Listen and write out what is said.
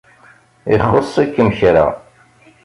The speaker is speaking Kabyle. ixuṣ-ikem kra.